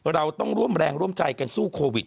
เราต้องร่วมแรงร่วมใจกันสู้โควิด